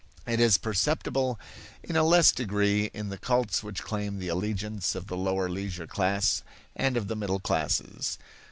It is perceptible in a less degree in the cults which claim the allegiance of the lower leisure class and of the middle classes.